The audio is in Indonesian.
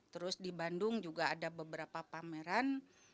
terus di bandung juga ada beberapa pameran